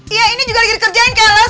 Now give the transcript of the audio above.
iya ini juga lagi dikerjain kaleng